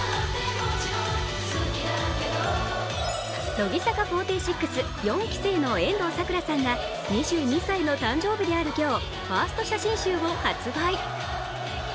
乃木坂４６、４期生の遠藤さくらさんが２２歳の誕生日である今日、ファースト写真集を発売。